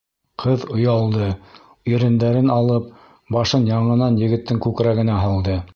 Ҡыҙ оялды, ирендәрен алып, башын яңынан егеттең күкрәгенә һалды.